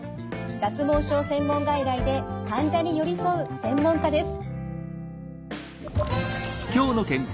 脱毛症専門外来で患者に寄り添う専門家です。